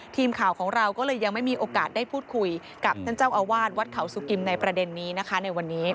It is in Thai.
ทีมข่าวของเราก็เลยยังไม่มีโอกาสได้พูดคุยกับท่านเจ้าอาวาสวัดเขาสุกิมในประเด็นนี้นะคะในวันนี้